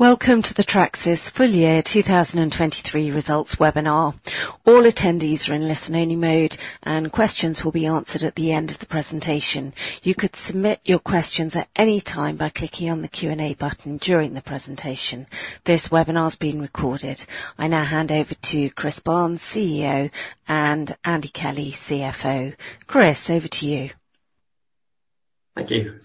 Welcome to the Tracsis Full Year 2023 Results Webinar. All attendees are in listen-only mode, and questions will be answered at the end of the presentation. You could submit your questions at any time by clicking on the Q&A button during the presentation. This webinar is being recorded. I now hand over to Chris Barnes, CEO, and Andy Kelly, CFO. Chris, over to you. Thank you.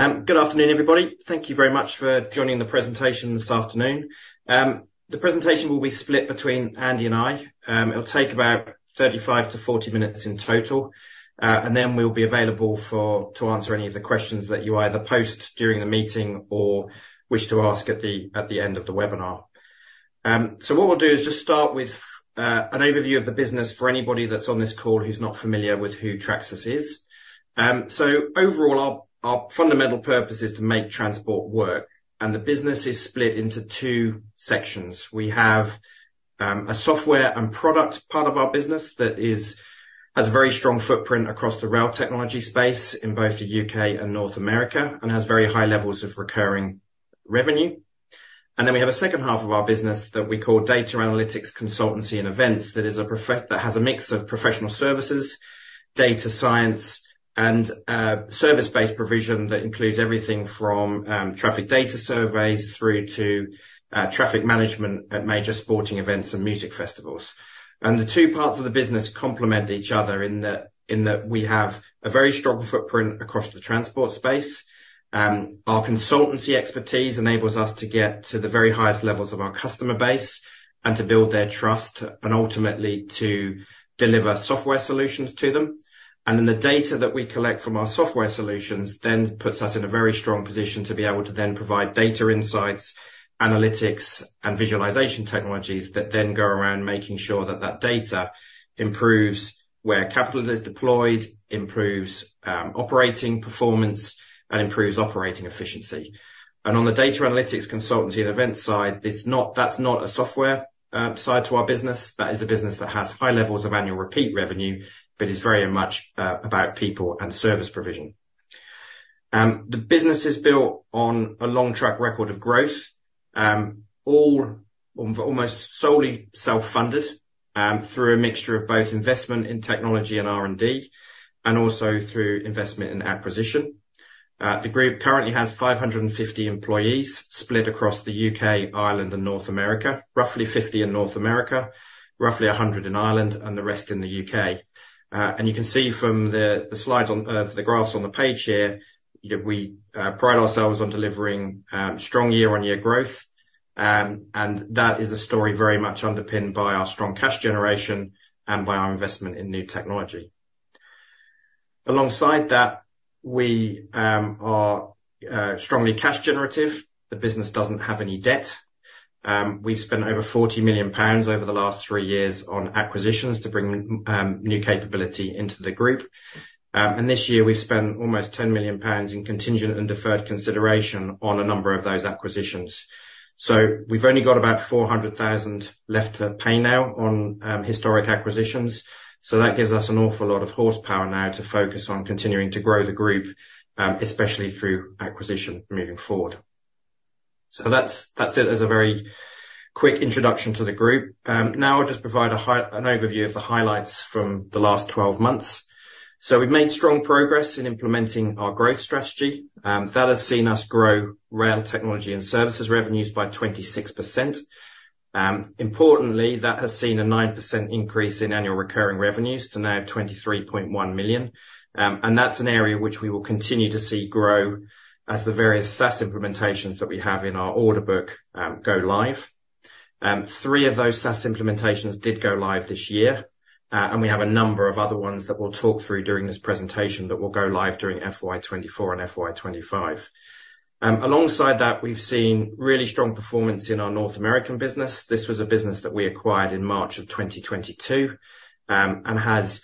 Good afternoon, everybody. Thank you very much for joining the presentation this afternoon. The presentation will be split between Andy and I. It'll take about 35-40 minutes in total, and then we'll be available to answer any of the questions that you either post during the meeting or wish to ask at the end of the webinar. So what we'll do is just start with an overview of the business for anybody that's on this call who's not familiar with who Tracsis is. So overall, our fundamental purpose is to make transport work, and the business is split into two sections. We have a software and product part of our business that has a very strong footprint across the rail technology space in both the U.K. and North America and has very high levels of recurring revenue. Then we have a second half of our business that we call data analytics, consultancy, and events, that has a mix of professional services, data science, and service-based provision that includes everything from traffic data surveys through to traffic management at major sporting events and music festivals. The two parts of the business complement each other in that we have a very strong footprint across the transport space. Our consultancy expertise enables us to get to the very highest levels of our customer base and to build their trust and ultimately to deliver software solutions to them. Then the data that we collect from our software solutions then puts us in a very strong position to be able to then provide data insights, analytics, and visualization technologies that then go around making sure that that data improves where capital is deployed, improves operating performance, and improves operating efficiency. On the data analytics, consultancy, and events side, it's not—that's not a software side to our business. That is a business that has high levels of annual repeat revenue, but is very much about people and service provision. The business is built on a long track record of growth, all almost solely self-funded, through a mixture of both investment in technology and R&D, and also through investment in acquisition. The group currently has 550 employees split across the U.K., Ireland, and North America. Roughly 50 in North America, roughly 100 in Ireland, and the rest in the U.K. And you can see from the, the slides on, the graphs on the page here, that we, pride ourselves on delivering, strong year-on-year growth. And that is a story very much underpinned by our strong cash generation and by our investment in new technology. Alongside that, we, are, strongly cash generative. The business doesn't have any debt. We've spent over 40 million pounds over the last three years on acquisitions to bring, new capability into the group. And this year, we've spent almost 10 million pounds in contingent and deferred consideration on a number of those acquisitions. So we've only got about 400 thousand left to pay now on, historic acquisitions. So that gives us an awful lot of horsepower now to focus on continuing to grow the group, especially through acquisition moving forward. So that's, that's it as a very quick introduction to the group. Now I'll just provide an overview of the highlights from the last 12 months. So we've made strong progress in implementing our growth strategy, that has seen us grow rail technology and services revenues by 26%. Importantly, that has seen a 9% increase in annual recurring revenues to now 23.1 million. And that's an area which we will continue to see grow as the various SaaS implementations that we have in our order book go live. Three of those SaaS implementations did go live this year, and we have a number of other ones that we'll talk through during this presentation that will go live during FY 2024 and FY 2025. Alongside that, we've seen really strong performance in our North American business. This was a business that we acquired in March 2022, and has,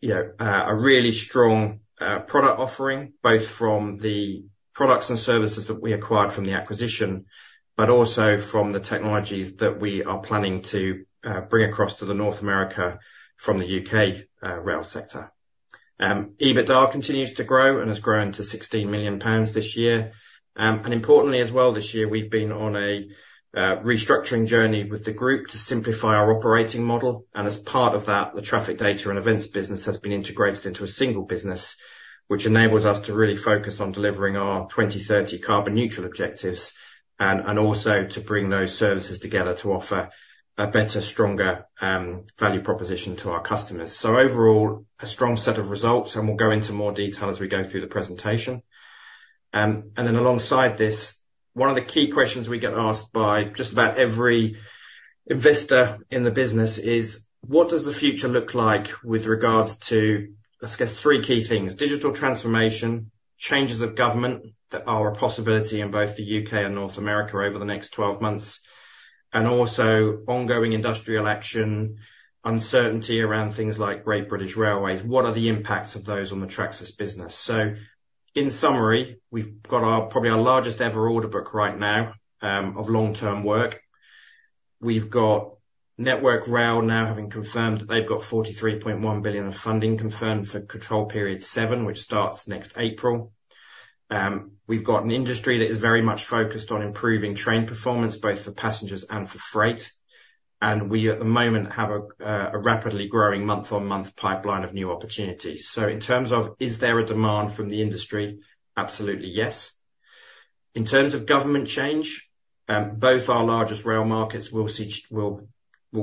you know, a really strong product offering, both from the products and services that we acquired from the acquisition, but also from the technologies that we are planning to bring across to the North America from the U.K. rail sector. EBITDA continues to grow and has grown to 16 million pounds this year. Importantly, as well, this year we've been on a restructuring journey with the group to simplify our operating model, and as part of that, the traffic data and events business has been integrated into a single business, which enables us to really focus on delivering our 2030 carbon neutral objectives, and also to bring those services together to offer a better, stronger value proposition to our customers. Overall, a strong set of results, and we'll go into more detail as we go through the presentation. And then alongside this, one of the key questions we get asked by just about every investor in the business is: What does the future look like with regards to, I guess, three key things, digital transformation, changes of government that are a possibility in both the U.K. and North America over the next 12 months, and also ongoing industrial action, uncertainty around things like Great British Railways? What are the impacts of those on the Tracsis business? So in summary, we've got our, probably our largest-ever order book right now, of long-term work. We've got Network Rail now having confirmed that they've got 43.1 billion of funding confirmed for Control Period 7, which starts next April. We've got an industry that is very much focused on improving train performance, both for passengers and for freight. And we, at the moment, have a rapidly growing month-on-month pipeline of new opportunities. So in terms of, is there a demand from the industry? Absolutely, yes. In terms of government change, both our largest rail markets will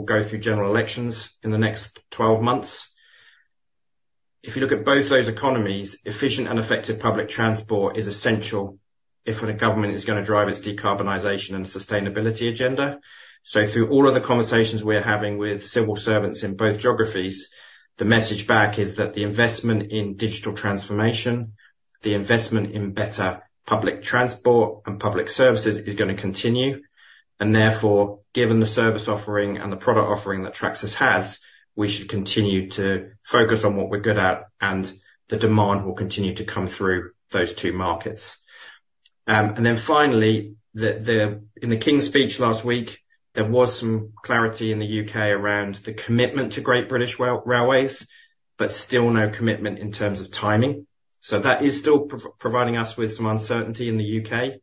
go through general elections in the next 12 months. If you look at both those economies, efficient and effective public transport is essential if a government is gonna drive its decarbonization and sustainability agenda. So through all of the conversations we're having with civil servants in both geographies, the message back is that the investment in digital transformation, the investment in better public transport and public services, is gonna continue. And therefore, given the service offering and the product offering that Tracsis has, we should continue to focus on what we're good at, and the demand will continue to come through those two markets. And then finally, in the King's Speech last week, there was some clarity in the U.K. around the commitment to Great British Railways, but still no commitment in terms of timing. So that is still providing us with some uncertainty in the U.K.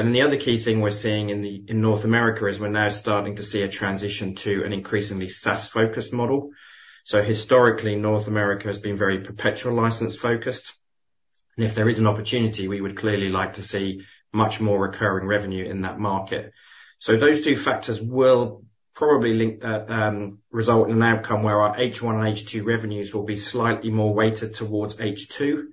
And then the other key thing we're seeing in North America is we're now starting to see a transition to an increasingly SaaS-focused model. So historically, North America has been very perpetual license focused, and if there is an opportunity, we would clearly like to see much more recurring revenue in that market. So those two factors will probably link, result in an outcome where our H1 and H2 revenues will be slightly more weighted towards H2.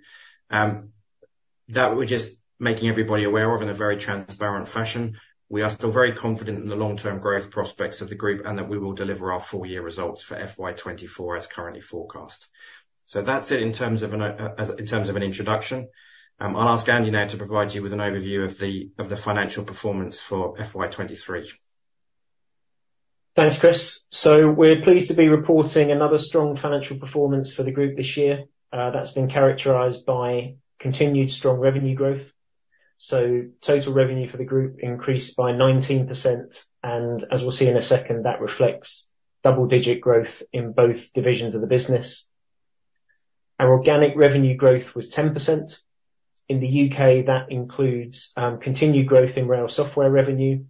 That we're just making everybody aware of in a very transparent fashion. We are still very confident in the long-term growth prospects of the group, and that we will deliver our full year results for FY 2024 as currently forecast. So that's it in terms of an introduction. I'll ask Andy now to provide you with an overview of the financial performance for FY 2023. Thanks, Chris. So we're pleased to be reporting another strong financial performance for the group this year. That's been characterized by continued strong revenue growth. So total revenue for the group increased by 19%, and as we'll see in a second, that reflects double-digit growth in both divisions of the business. Our organic revenue growth was 10%. In the U.K., that includes continued growth in rail software revenue,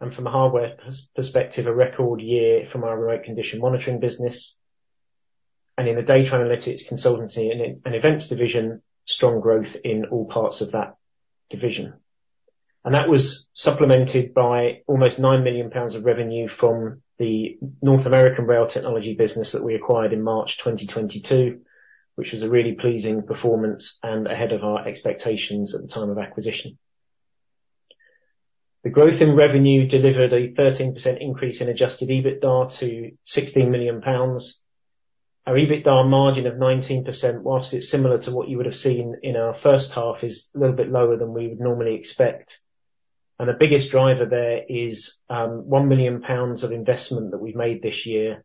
and from a hardware perspective, a record year from our road condition monitoring business. And in the data analytics consultancy and events division, strong growth in all parts of that division. And that was supplemented by almost 9 million pounds of revenue from the North American rail technology business that we acquired in March 2022, which was a really pleasing performance and ahead of our expectations at the time of acquisition. The growth in revenue delivered a 13% increase in adjusted EBITDA to 16 million pounds. Our EBITDA margin of 19%, whilst it's similar to what you would have seen in our first half, is a little bit lower than we would normally expect. The biggest driver there is one million pounds of investment that we've made this year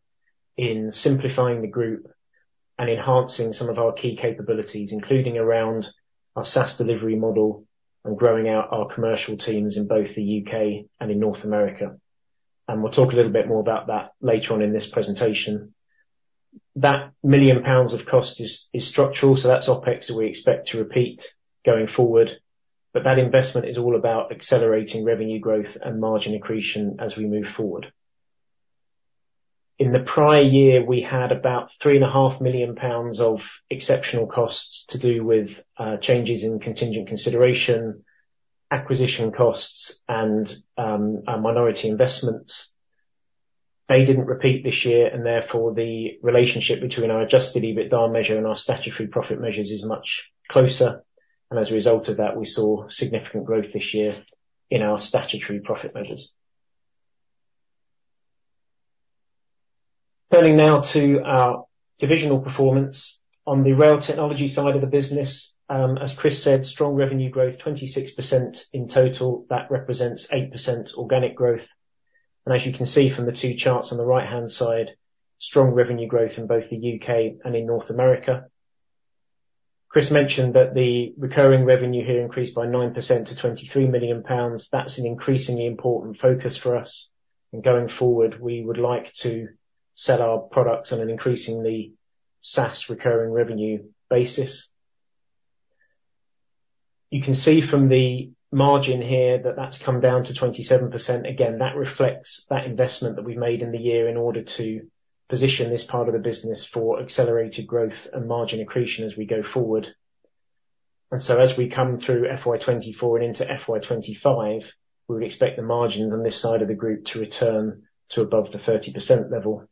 in simplifying the group and enhancing some of our key capabilities, including around our SaaS delivery model and growing out our commercial teams in both the U.K. and in North America. We'll talk a little bit more about that later on in this presentation. That million pounds of cost is structural, so that's OpEx that we expect to repeat going forward. That investment is all about accelerating revenue growth and margin accretion as we move forward. In the prior year, we had about 3.5 million pounds of exceptional costs to do with, changes in contingent consideration, acquisition costs, and, our minority investments. They didn't repeat this year, and therefore, the relationship between our adjusted EBITDA measure and our statutory profit measures is much closer, and as a result of that, we saw significant growth this year in our statutory profit measures. Turning now to our divisional performance. On the rail technology side of the business, as Chris said, strong revenue growth, 26% in total, that represents 8% organic growth. And as you can see from the two charts on the right-hand side, strong revenue growth in both the U.K. and in North America. Chris mentioned that the recurring revenue here increased by 9% to 23 million pounds. That's an increasingly important focus for us, and going forward, we would like to sell our products on an increasingly SaaS recurring revenue basis. You can see from the margin here that that's come down to 27%. Again, that reflects that investment that we made in the year in order to position this part of the business for accelerated growth and margin accretion as we go forward. And so as we come through FY 2024 and into FY 2025, we would expect the margins on this side of the group to return to above the 30% level.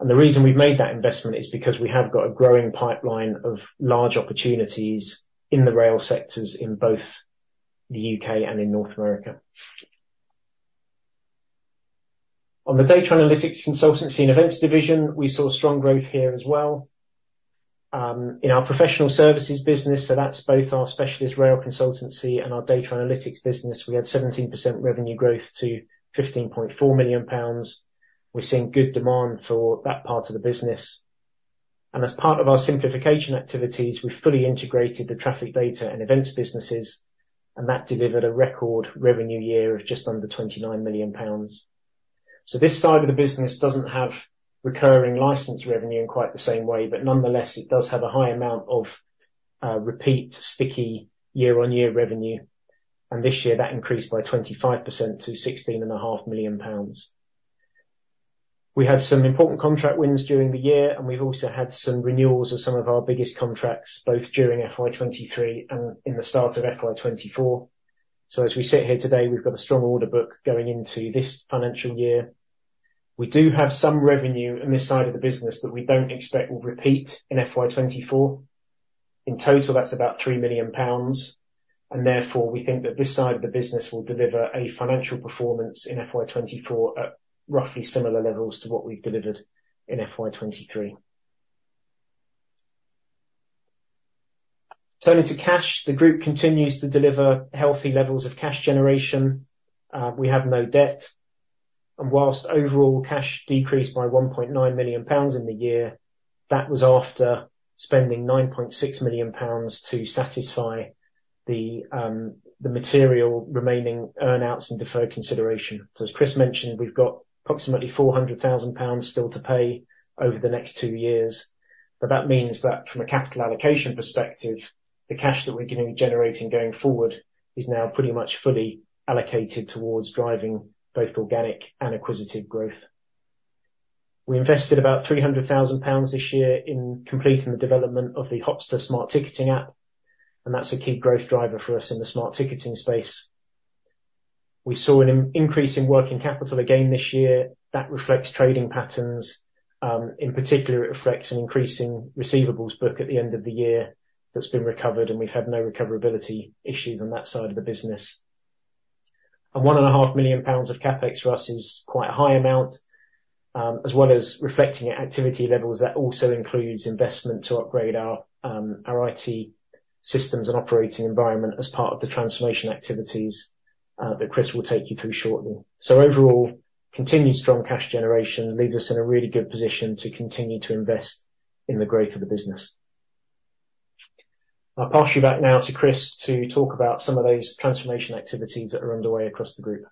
And the reason we've made that investment is because we have got a growing pipeline of large opportunities in the rail sectors in both the U.K. and in North America. On the data analytics, consultancy, and events division, we saw strong growth here as well. In our professional services business, so that's both our specialist rail consultancy and our data analytics business, we had 17% revenue growth to 15.4 million pounds. We're seeing good demand for that part of the business. And as part of our simplification activities, we fully integrated the traffic data and events businesses, and that delivered a record revenue year of just under 29 million pounds. So this side of the business doesn't have recurring license revenue in quite the same way, but nonetheless, it does have a high amount of repeat sticky year-on-year revenue. And this year, that increased by 25% to 16.5 million pounds. We had some important contract wins during the year, and we've also had some renewals of some of our biggest contracts, both during FY 2023 and in the start of FY 2024. So as we sit here today, we've got a strong order book going into this financial year. We do have some revenue in this side of the business that we don't expect will repeat in FY 2024. In total, that's about 3 million pounds, and therefore, we think that this side of the business will deliver a financial performance in FY 2024 at roughly similar levels to what we've delivered in FY 2023. Turning to cash, the group continues to deliver healthy levels of cash generation. We have no debt, and while overall cash decreased by 1.9 million pounds in the year, that was after spending 9.6 million pounds to satisfy the material remaining earn-outs and deferred consideration. So as Chris mentioned, we've got approximately 400 thousand pounds still to pay over the next 2 years, but that means that from a capital allocation perspective, the cash that we're gonna be generating going forward is now pretty much fully allocated towards driving both organic and acquisitive growth. We invested about 300 thousand pounds this year in completing the development of the Hopsta smart ticketing app, and that's a key growth driver for us in the smart ticketing space. We saw an increase in working capital again this year. That reflects trading patterns. In particular, it reflects an increasing receivables book at the end of the year that's been recovered, and we've had no recoverability issues on that side of the business. One and a half million pounds of CapEx for us is quite a high amount. As well as reflecting our activity levels, that also includes investment to upgrade our our IT systems and operating environment as part of the transformation activities that Chris will take you through shortly. So overall, continued strong cash generation leaves us in a really good position to continue to invest in the growth of the business. I'll pass you back now to Chris to talk about some of those transformation activities that are underway across the group.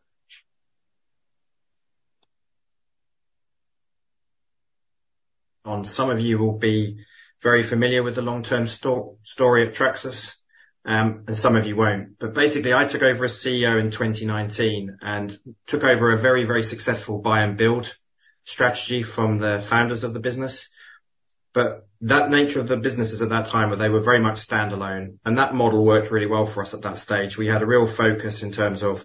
Some of you will be very familiar with the long-term story of Tracsis, and some of you won't. But basically, I took over as CEO in 2019, and took over a very, very successful buy and build strategy from the founders of the business. That nature of the businesses at that time, they were very much standalone, and that model worked really well for us at that stage. We had a real focus in terms of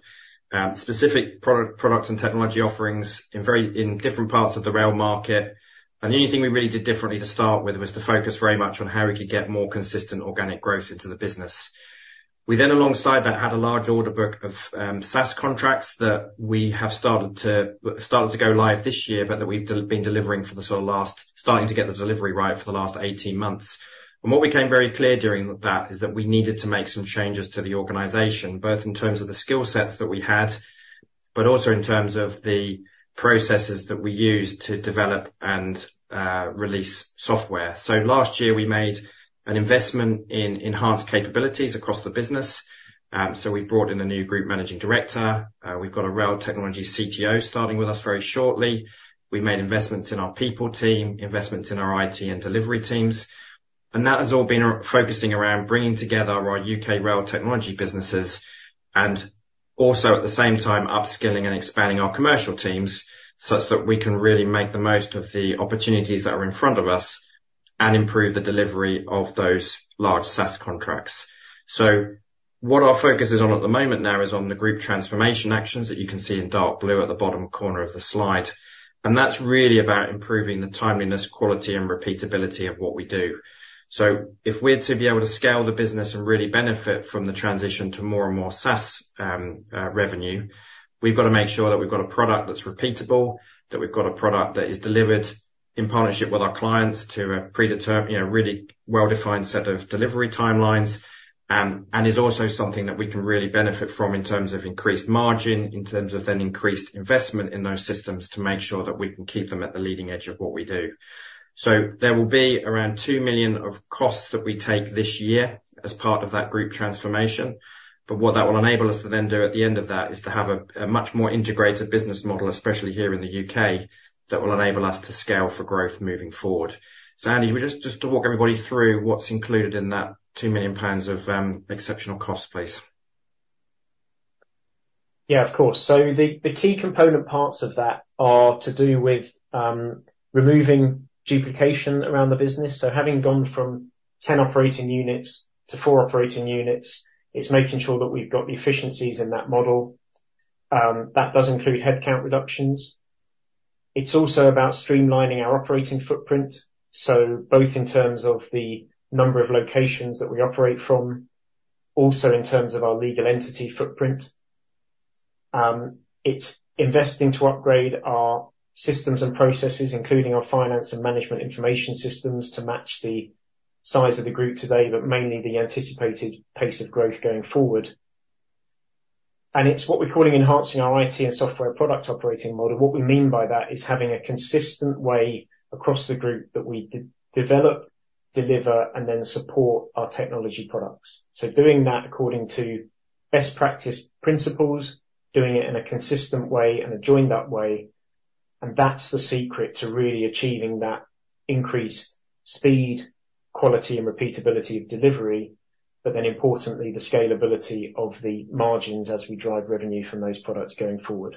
specific product and technology offerings in very different parts of the rail market. The only thing we really did differently to start with was to focus very much on how we could get more consistent organic growth into the business. We then, alongside that, had a large order book of SaaS contracts that we have started to go live this year, but that we've been delivering for the sort of last 18 months, starting to get the delivery right for the last 18 months. What became very clear during that is that we needed to make some changes to the organization, both in terms of the skill sets that we had, but also in terms of the processes that we use to develop and release software. Last year, we made an investment in enhanced capabilities across the business. So we brought in a new group managing director. We've got a rail technology CTO starting with us very shortly. We've made investments in our people team, investments in our IT and delivery teams, and that has all been focusing around bringing together our U.K. rail technology businesses, and also, at the same time, upskilling and expanding our commercial teams, such that we can really make the most of the opportunities that are in front of us, and improve the delivery of those large SaaS contracts. So what our focus is on at the moment now is on the group transformation actions that you can see in dark blue at the bottom corner of the slide. That's really about improving the timeliness, quality, and repeatability of what we do. So if we're to be able to scale the business and really benefit from the transition to more and more SaaS revenue, we've got to make sure that we've got a product that's repeatable, that we've got a product that is delivered in partnership with our clients to a predetermined, you know, really well-defined set of delivery timelines, and is also something that we can really benefit from in terms of increased margin, in terms of then increased investment in those systems, to make sure that we can keep them at the leading edge of what we do. So there will be around 2 million of costs that we take this year as part of that group transformation, but what that will enable us to then do at the end of that, is to have a much more integrated business model, especially here in the U.K., that will enable us to scale for growth moving forward. So Andy, would you just walk everybody through what's included in that 2 million pounds of exceptional cost, please? Yeah, of course. So the key component parts of that are to do with removing duplication around the business. So having gone from 10 operating units to 4 operating units, it's making sure that we've got the efficiencies in that model. That does include headcount reductions. It's also about streamlining our operating footprint, so both in terms of the number of locations that we operate from, also in terms of our legal entity footprint. It's investing to upgrade our systems and processes, including our finance and management information systems, to match the size of the group today, but mainly the anticipated pace of growth going forward... and it's what we're calling enhancing our IT and software product operating model. What we mean by that is having a consistent way across the group that we de-develop, deliver, and then support our technology products. So doing that according to best practice principles, doing it in a consistent way and a joined up way, and that's the secret to really achieving that increased speed, quality, and repeatability of delivery, but then importantly, the scalability of the margins as we drive revenue from those products going forward.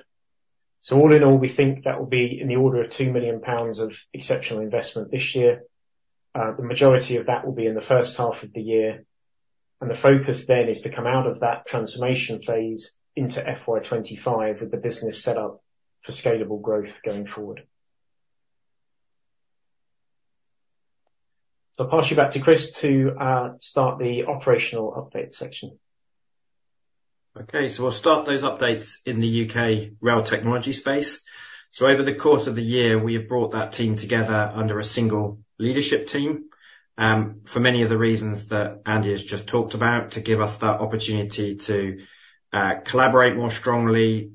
So all in all, we think that will be in the order of 2 million pounds of exceptional investment this year. The majority of that will be in the first half of the year, and the focus then is to come out of that transformation phase into FY 2025, with the business set up for scalable growth going forward. So I'll pass you back to Chris to start the operational update section. Okay, so we'll start those updates in the U.K. rail technology space. So over the course of the year, we have brought that team together under a single leadership team for many of the reasons that Andy has just talked about, to give us that opportunity to collaborate more strongly,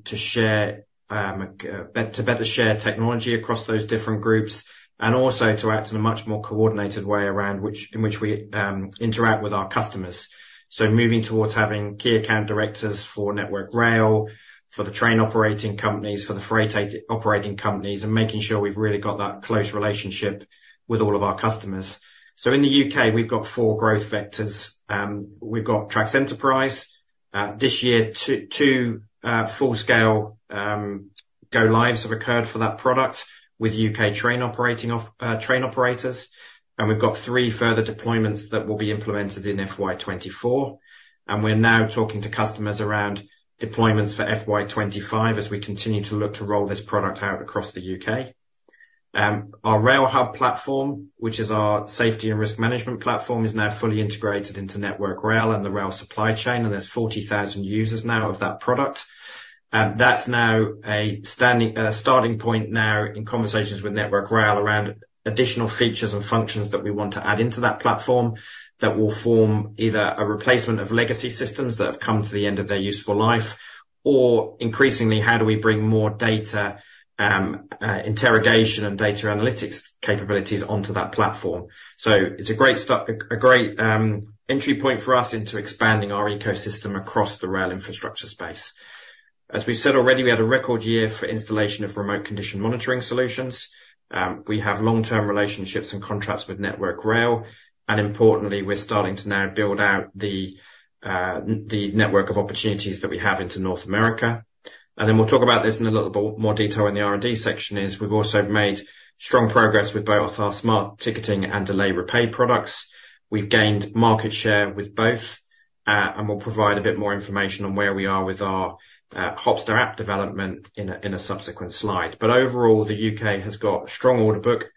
to better share technology across those different groups, and also to act in a much more coordinated way around in which we interact with our customers. So moving towards having key account directors for Network Rail, for the Train Operating Companies, for the Freight Operating Companies, and making sure we've really got that close relationship with all of our customers. So in the U.K., we've got four growth vectors. We've got TRACS Enterprise. This year, two full scale go lives have occurred for that product with U.K. train operating companies, and we've got three further deployments that will be implemented in FY 2024. We're now talking to customers around deployments for FY 2025 as we continue to look to roll this product out across the U.K. Our RailHub platform, which is our safety and risk management platform, is now fully integrated into Network Rail and the rail supply chain, and there's 40,000 users now of that product. That's now a standing starting point now in conversations with Network Rail around additional features and functions that we want to add into that platform, that will form either a replacement of legacy systems that have come to the end of their useful life, or increasingly, how do we bring more data interrogation and data analytics capabilities onto that platform? So it's a great start, a great entry point for us into expanding our ecosystem across the rail infrastructure space. As we've said already, we had a record year for installation of remote condition monitoring solutions. We have long-term relationships and contracts with Network Rail, and importantly, we're starting to now build out the the network of opportunities that we have into North America. And then we'll talk about this in a little bit more detail in the R&D section is, we've also made strong progress with both our smart ticketing and Delay Repay products. We've gained market share with both, and we'll provide a bit more information on where we are with our, Hopsta app development in a subsequent slide. But overall, the U.K. has got a strong order book,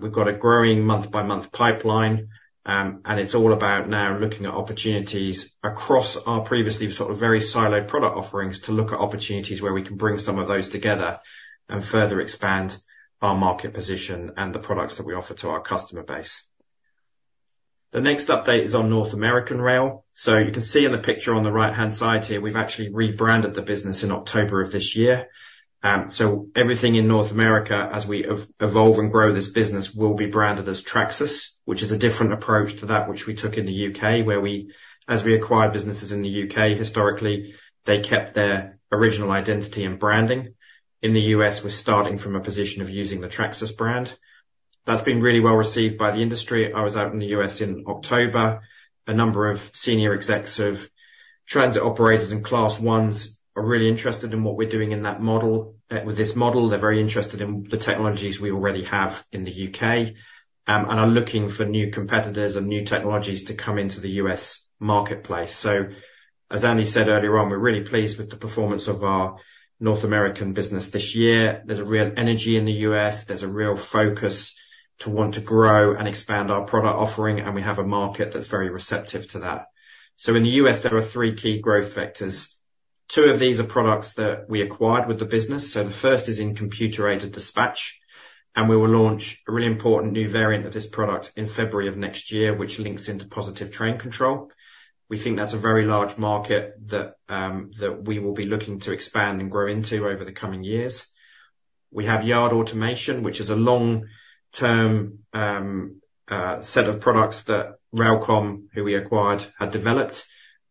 we've got a growing month-by-month pipeline, and it's all about now looking at opportunities across our previously sort of very siloed product offerings, to look at opportunities where we can bring some of those together and further expand our market position and the products that we offer to our customer base. The next update is on North American rail. So you can see in the picture on the right-hand side here, we've actually rebranded the business in October of this year. So everything in North America, as we evolve and grow this business, will be branded as Tracsis, which is a different approach to that which we took in the U.K., where, as we acquired businesses in the U.K., historically, they kept their original identity and branding. In the U.S., we're starting from a position of using the Tracsis brand. That's been really well received by the industry. I was out in the U.S. in October. A number of senior execs of transit operators and class I's are really interested in what we're doing in that model, with this model. They're very interested in the technologies we already have in the U.K., and are looking for new competitors and new technologies to come into the U.S. marketplace. As Andy said earlier on, we're really pleased with the performance of our North American business this year. There's a real energy in the U.S. There's a real focus to want to grow and expand our product offering, and we have a market that's very receptive to that. In the U.S., there are three key growth vectors. Two of these are products that we acquired with the business, so the first is in Computer-Aided Dispatch, and we will launch a really important new variant of this product in February of next year, which links into Positive Train Control. We think that's a very large market that we will be looking to expand and grow into over the coming years. We have Yard Automation, which is a long-term set of products that RailComm, who we acquired, had developed.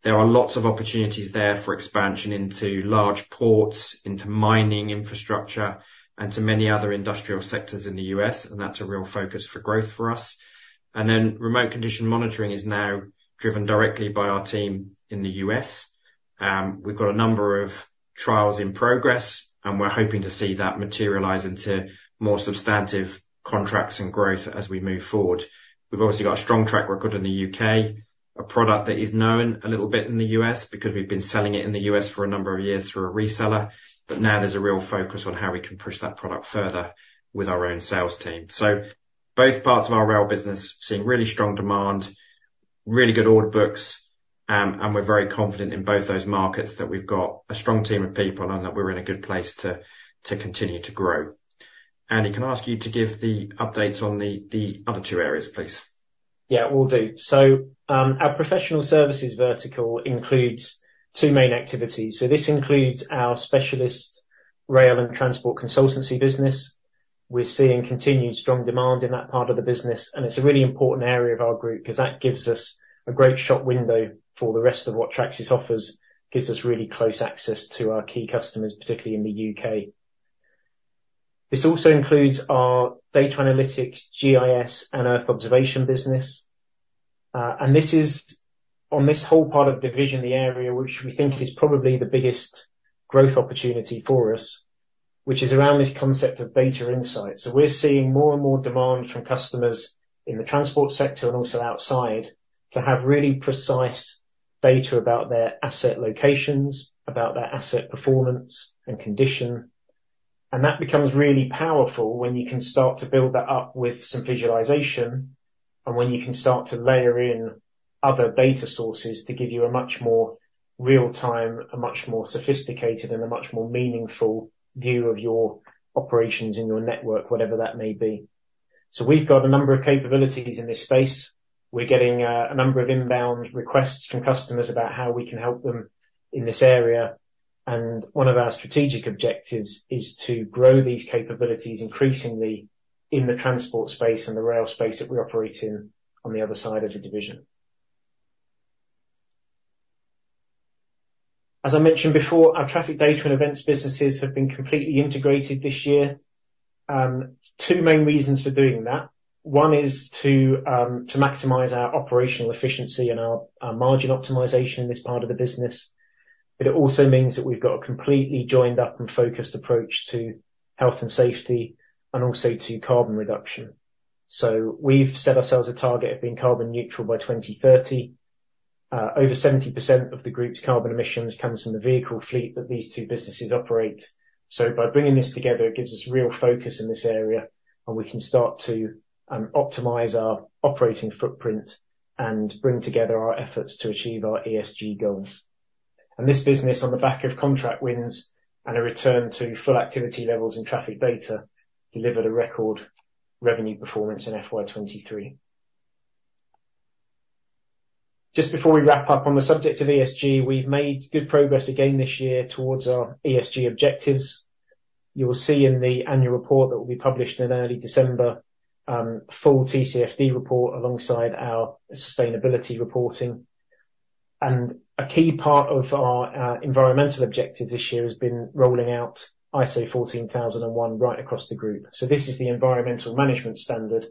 There are lots of opportunities there for expansion into large ports, into mining infrastructure, and to many other industrial sectors in the U.S., and that's a real focus for growth for us. And then, remote condition monitoring is now driven directly by our team in the U.S. We've got a number of trials in progress, and we're hoping to see that materialize into more substantive contracts and growth as we move forward. We've obviously got a strong track record in the U.K., a product that is known a little bit in the U.S. because we've been selling it in the U.S. for a number of years through a reseller, but now there's a real focus on how we can push that product further with our own sales team. So both parts of our rail business, seeing really strong demand, really good order books, and we're very confident in both those markets, that we've got a strong team of people and that we're in a good place to continue to grow. Andy, can I ask you to give the updates on the other two areas, please?... Yeah, will do. So, our professional services vertical includes two main activities. So this includes our specialist rail and transport consultancy business. We're seeing continued strong demand in that part of the business, and it's a really important area of our group, 'cause that gives us a great shop window for the rest of what Tracsis offers, gives us really close access to our key customers, particularly in the U.K. This also includes our data analytics, GIS, and Earth Observation business. And this is, on this whole part of division, the area which we think is probably the biggest growth opportunity for us, which is around this concept of data insight. So we're seeing more and more demand from customers in the transport sector, and also outside, to have really precise data about their asset locations, about their asset performance and condition. That becomes really powerful when you can start to build that up with some visualization, and when you can start to layer in other data sources to give you a much more real-time, a much more sophisticated, and a much more meaningful view of your operations in your network, whatever that may be. We've got a number of capabilities in this space. We're getting, a number of inbound requests from customers about how we can help them in this area, and one of our strategic objectives is to grow these capabilities increasingly in the transport space and the rail space that we operate in on the other side of the division. As I mentioned before, our traffic data and events businesses have been completely integrated this year. Two main reasons for doing that: One is to, to maximize our operational efficiency and our, our margin optimization in this part of the business, but it also means that we've got a completely joined up and focused approach to health and safety, and also to carbon reduction. So we've set ourselves a target of being carbon neutral by 2030. Over 70% of the group's carbon emissions comes from the vehicle fleet that these two businesses operate. So by bringing this together, it gives us real focus in this area, and we can start to, optimize our operating footprint and bring together our efforts to achieve our ESG goals. And this business, on the back of contract wins and a return to full activity levels and traffic data, delivered a record revenue performance in FY 2023. Just before we wrap up, on the subject of ESG, we've made good progress again this year towards our ESG objectives. You will see in the annual report that will be published in early December, full TCFD report alongside our sustainability reporting. A key part of our environmental objective this year has been rolling out ISO 14001 right across the group. This is the environmental management standard,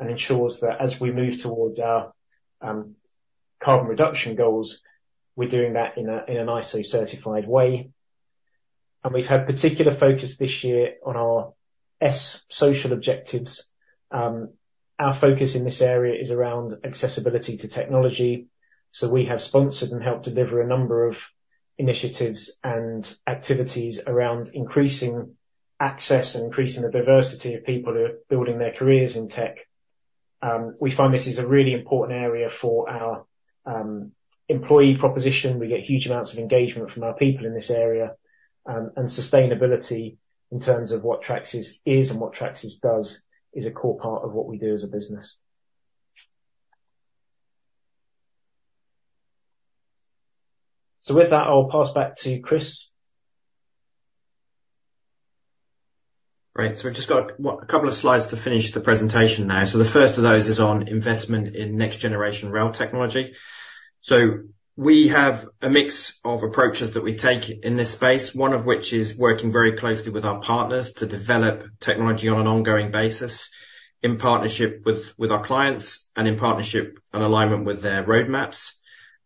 and ensures that as we move towards our carbon reduction goals, we're doing that in an ISO certified way. We've had particular focus this year on our S social objectives. Our focus in this area is around accessibility to technology. We have sponsored and helped deliver a number of initiatives and activities around increasing access and increasing the diversity of people who are building their careers in tech. We find this is a really important area for our employee proposition. We get huge amounts of engagement from our people in this area. And sustainability, in terms of what Tracsis is and what Tracsis does, is a core part of what we do as a business. With that, I'll pass back to Chris. Right. So we've just got what? A couple of slides to finish the presentation now. So the first of those is on investment in next generation rail technology. So we have a mix of approaches that we take in this space, one of which is working very closely with our partners to develop technology on an ongoing basis, in partnership with our clients, and in partnership and alignment with their roadmaps.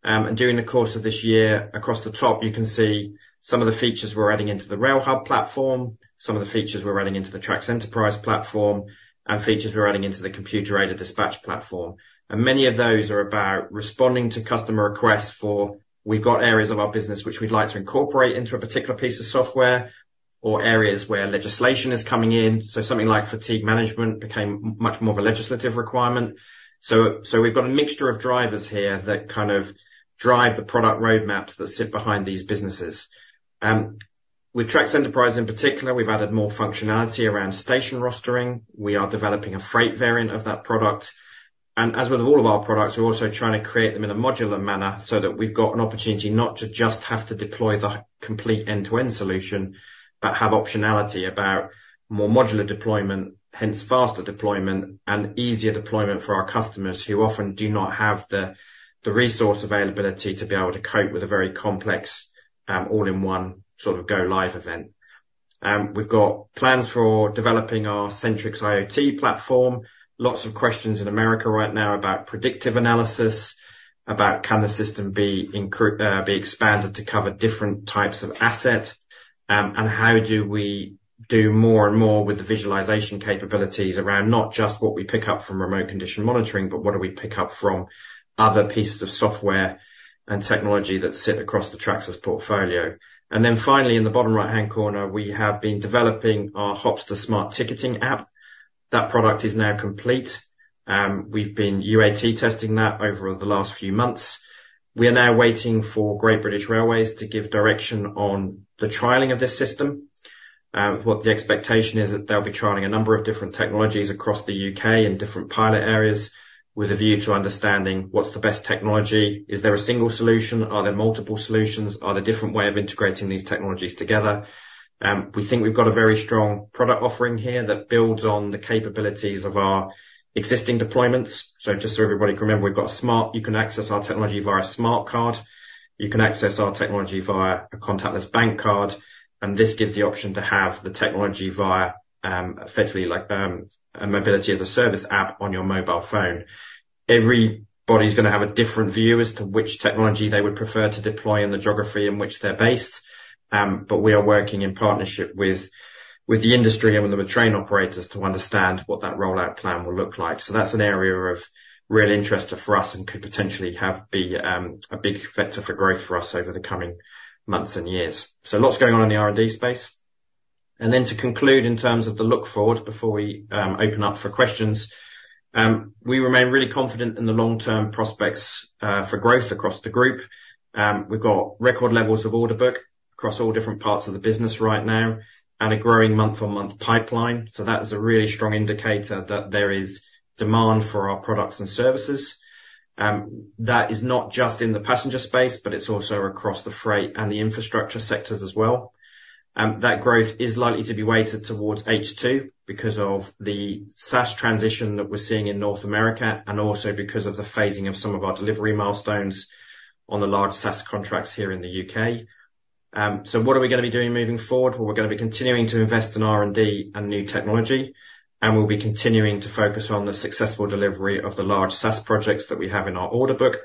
And during the course of this year, across the top, you can see some of the features we're adding into the RailHub platform, some of the features we're adding into the TRACS Enterprise platform, and features we're adding into the Computer Aided Dispatch platform. Many of those are about responding to customer requests for, we've got areas of our business which we'd like to incorporate into a particular piece of software, or areas where legislation is coming in, so something like fatigue management became much more of a legislative requirement. So we've got a mixture of drivers here that kind of drive the product roadmaps that sit behind these businesses. With TRACS Enterprise in particular, we've added more functionality around station rostering. We are developing a freight variant of that product, and as with all of our products, we're also trying to create them in a modular manner, so that we've got an opportunity not to just have to deploy the complete end-to-end solution, but have optionality about more modular deployment, hence faster deployment and easier deployment for our customers, who often do not have the resource availability to be able to cope with a very complex, all-in-one, sort of, go live event. We've got plans for developing our Centrix IoT platform. Lots of questions in America right now about predictive analysis, about can the system be expanded to cover different types of assets, and how do we-... Do more and more with the visualization capabilities around not just what we pick up from remote condition monitoring, but what do we pick up from other pieces of software and technology that sit across the Tracsis portfolio? Then finally, in the bottom right-hand corner, we have been developing our Hopsta smart ticketing app. That product is now complete. We've been UAT testing that over the last few months. We are now waiting for Great British Railways to give direction on the trialing of this system. What the expectation is that they'll be trialing a number of different technologies across the U.K. in different pilot areas, with a view to understanding what's the best technology? Is there a single solution? Are there multiple solutions? Are there different way of integrating these technologies together? We think we've got a very strong product offering here that builds on the capabilities of our existing deployments. So just so everybody can remember, we've got. You can access our technology via a smart card. You can access our technology via a contactless bank card, and this gives the option to have the technology via, effectively, like, a Mobility as a Service app on your mobile phone. Everybody's gonna have a different view as to which technology they would prefer to deploy in the geography in which they're based. But we are working in partnership with, with the industry and with the train operators to understand what that rollout plan will look like. So that's an area of real interest for us, and could potentially have a big vector for growth for us over the coming months and years. Lots going on in the R&D space. Then to conclude, in terms of the look forward, before we open up for questions, we remain really confident in the long-term prospects for growth across the group. We've got record levels of order book across all different parts of the business right now, and a growing month-on-month pipeline. That is a really strong indicator that there is demand for our products and services. That is not just in the passenger space, but it's also across the freight and the infrastructure sectors as well. That growth is likely to be weighted towards H2, because of the SaaS transition that we're seeing in North America, and also because of the phasing of some of our delivery milestones on the large SaaS contracts here in the U.K. So what are we gonna be doing moving forward? Well, we're gonna be continuing to invest in R&D and new technology, and we'll be continuing to focus on the successful delivery of the large SaaS projects that we have in our order book.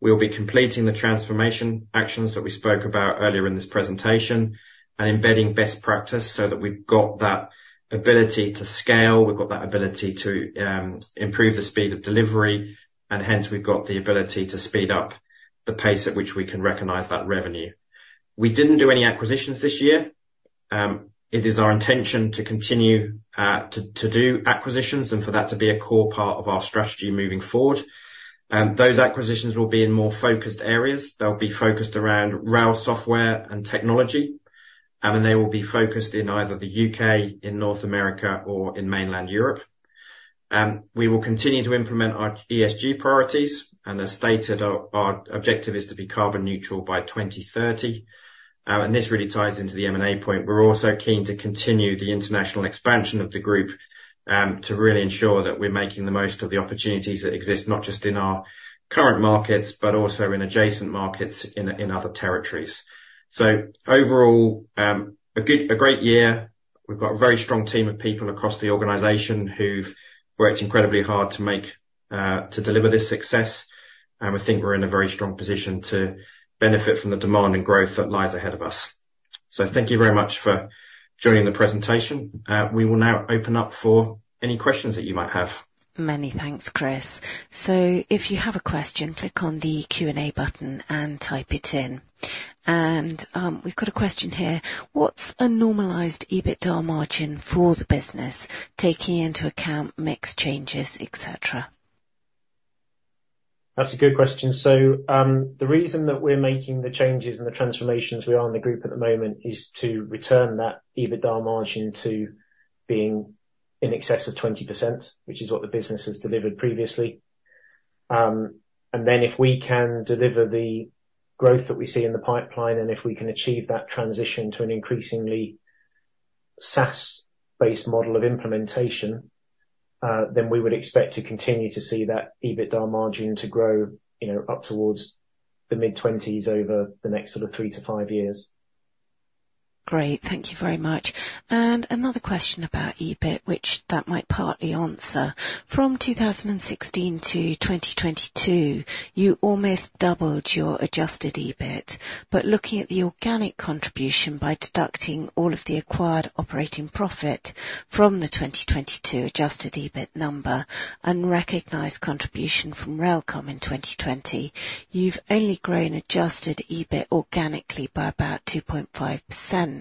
We'll be completing the transformation actions that we spoke about earlier in this presentation, and embedding best practice so that we've got that ability to scale, we've got that ability to improve the speed of delivery, and hence, we've got the ability to speed up the pace at which we can recognize that revenue. We didn't do any acquisitions this year. It is our intention to continue to do acquisitions, and for that to be a core part of our strategy moving forward. Those acquisitions will be in more focused areas. They'll be focused around rail software and technology, and they will be focused in either the U.K., in North America, or in mainland Europe. We will continue to implement our ESG priorities, and as stated, our, our objective is to be carbon neutral by 2030. And this really ties into the M&A point. We're also keen to continue the international expansion of the group, to really ensure that we're making the most of the opportunities that exist, not just in our current markets, but also in adjacent markets in, in other territories. So overall, a great year. We've got a very strong team of people across the organization who've worked incredibly hard to make, to deliver this success, and we think we're in a very strong position to benefit from the demand and growth that lies ahead of us. Thank you very much for joining the presentation. We will now open up for any questions that you might have. Many thanks, Chris. So if you have a question, click on the Q&A button and type it in. And, we've got a question here: What's a normalized EBITDA margin for the business, taking into account mix changes, et cetera? That's a good question. So, the reason that we're making the changes and the transformations we are in the group at the moment, is to return that EBITDA margin to being in excess of 20%, which is what the business has delivered previously. And then if we can deliver the growth that we see in the pipeline, and if we can achieve that transition to an increasingly SaaS-based model of implementation, then we would expect to continue to see that EBITDA margin to grow, you know, up towards the mid-20s over the next sort of 3-5 years. Great. Thank you very much. And another question about EBIT, which that might partly answer. From 2016 to 2022, you almost doubled your adjusted EBIT. But looking at the organic contribution, by deducting all of the acquired operating profit from the 2022 adjusted EBIT number, and recognized contribution from RailComm in 2020, you've only grown adjusted EBIT organically by about 2.5%.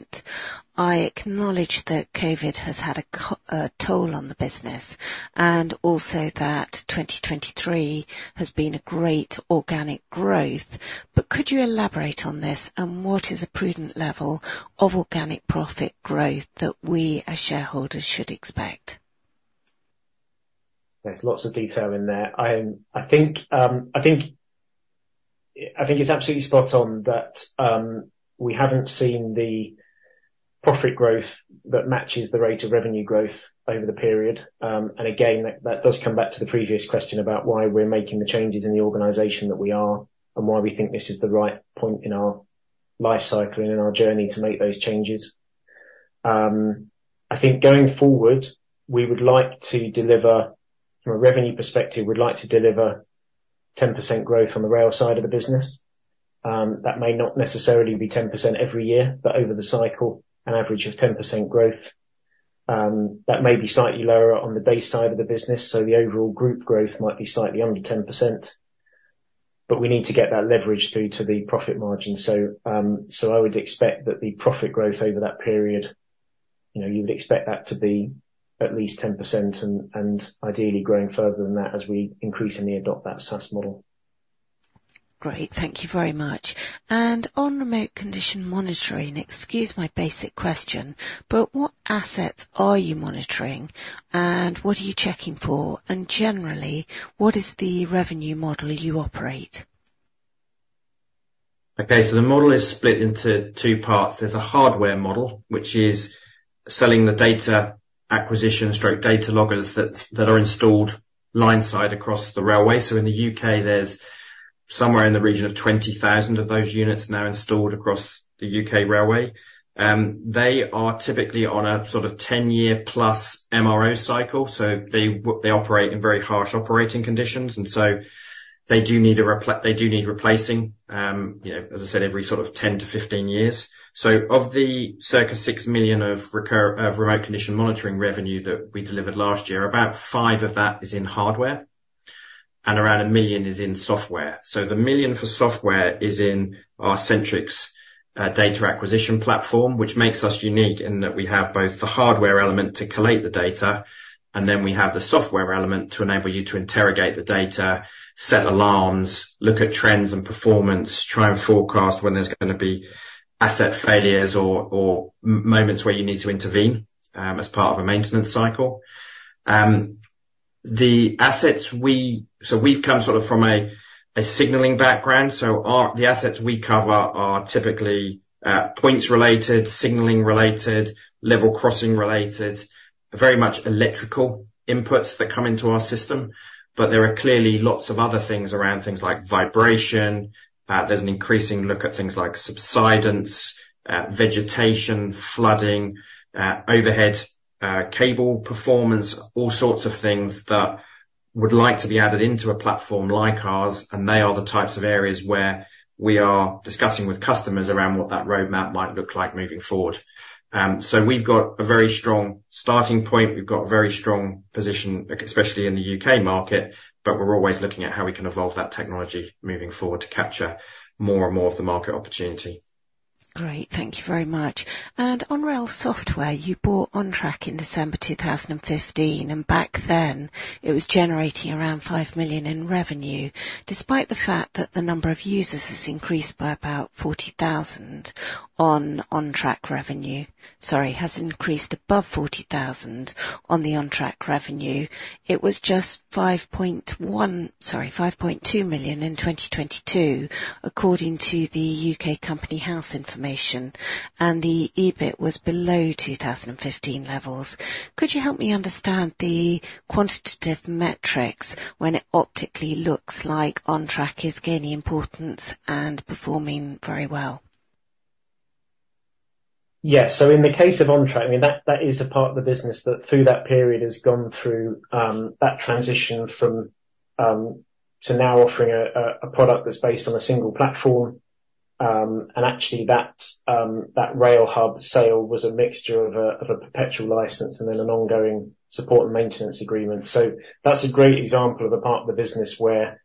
I acknowledge that COVID has had a toll on the business, and also that 2023 has been a great organic growth. But could you elaborate on this, and what is a prudent level of organic profit growth that we as shareholders should expect? There's lots of detail in there. I think it's absolutely spot on that we haven't seen the profit growth that matches the rate of revenue growth over the period. And again, that does come back to the previous question about why we're making the changes in the organization that we are, and why we think this is the right point in our life cycle and in our journey to make those changes. I think going forward, we would like to deliver, from a revenue perspective, we'd like to deliver 10% growth on the rail side of the business. That may not necessarily be 10% every year, but over the cycle, an average of 10% growth. That may be slightly lower on the base side of the business, so the overall group growth might be slightly under 10%, but we need to get that leverage through to the profit margin. So, I would expect that the profit growth over that period, you know, you would expect that to be at least 10% and ideally growing further than that as we increasingly adopt that SaaS model. Great. Thank you very much. And on remote condition monitoring, excuse my basic question, but what assets are you monitoring, and what are you checking for? And generally, what is the revenue model you operate? Okay, so the model is split into two parts. There's a hardware model, which is selling the data acquisition/data loggers that are installed line side across the railway. So in the U.K., there's somewhere in the region of 20,000 of those units now installed across the U.K. railway. They are typically on a sort of 10-year+ MRO cycle, so they do need replacing, you know, as I said, every sort of 10-15 years. So of the circa 6 million of remote condition monitoring revenue that we delivered last year, about 5 million of that is in hardware, and around 1 million is in software. So the 1 million for software is in our Centrix data acquisition platform, which makes us unique in that we have both the hardware element to collate the data, and then we have the software element to enable you to interrogate the data, set alarms, look at trends and performance, try and forecast when there's gonna be asset failures or moments where you need to intervene as part of a maintenance cycle. So we've come sort of from a signaling background, so the assets we cover are typically points related, signaling related, level crossing related, very much electrical inputs that come into our system. But there are clearly lots of other things around things like vibration. There's an increasing look at things like subsidence, vegetation, flooding, overhead cable performance. All sorts of things that would like to be added into a platform like ours, and they are the types of areas where we are discussing with customers around what that roadmap might look like moving forward. We've got a very strong starting point. We've got a very strong position, like, especially in the U.K. market, but we're always looking at how we can evolve that technology moving forward to capture more and more of the market opportunity. Great, thank you very much. On rail software, you bought On Trac in December 2015, and back then, it was generating around £5 million in revenue. Despite the fact that the number of users has increased by about 40,000 on On Trac revenue, sorry, has increased above 40,000 on the On Trac revenue, it was just £5.1, sorry, £5.2 million in 2022, according to the Companies House information, and the EBIT was below 2015 levels. Could you help me understand the quantitative metrics when it optically looks like On Trac is gaining importance and performing very well? Yeah, so in the case of On Trac, I mean, that is a part of the business that through that period has gone through that transition from to now offering a product that's based on a single platform. And actually, that RailHub sale was a mixture of a perpetual license and then an ongoing support and maintenance agreement. So that's a great example of a part of the business where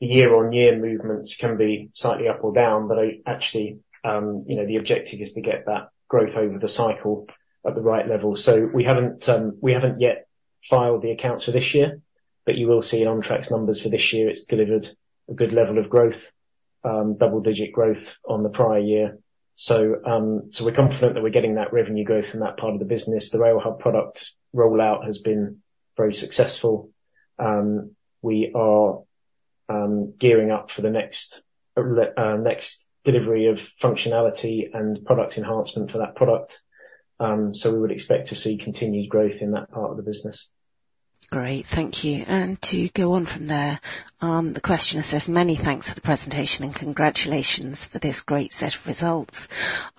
the year-on-year movements can be slightly up or down, but actually, you know, the objective is to get that growth over the cycle at the right level. So we haven't yet filed the accounts for this year, but you will see On Trac's numbers for this year. It's delivered a good level of growth, double-digit growth on the prior year. We're confident that we're getting that revenue growth from that part of the business. The RailHub product rollout has been very successful. We are gearing up for the next delivery of functionality and product enhancement for that product. We would expect to see continued growth in that part of the business. Great, thank you. And to go on from there, the questioner says, "Many thanks for the presentation, and congratulations for this great set of results.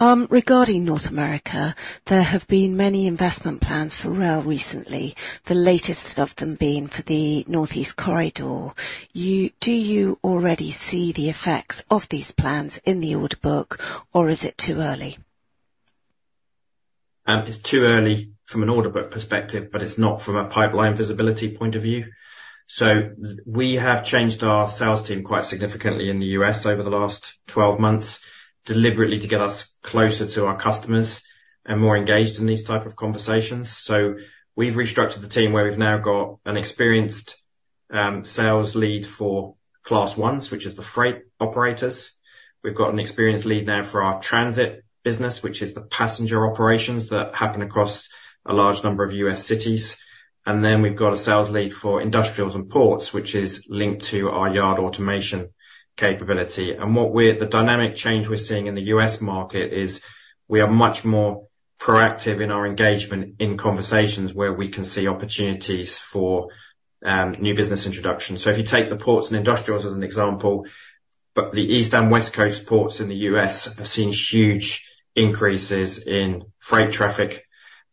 Regarding North America, there have been many investment plans for rail recently, the latest of them being for the Northeast Corridor. Do you already see the effects of these plans in the order book, or is it too early? It's too early from an order book perspective, but it's not from a pipeline visibility point of view. So we have changed our sales team quite significantly in the U.S. over the last 12 months, deliberately to get us closer to our customers and more engaged in these type of conversations. So we've restructured the team, where we've now got an experienced sales lead for Class I's, which is the freight operators. We've got an experienced lead now for our transit business, which is the passenger operations that happen across a large number of U.S. cities. And then we've got a sales lead for industrials and ports, which is linked to our Yard Automation capability. The dynamic change we're seeing in the U.S. market is, we are much more proactive in our engagement in conversations where we can see opportunities for new business introductions. But the East and West Coast ports in the U.S. have seen huge increases in freight traffic,